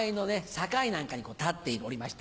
境なんかに立っておりました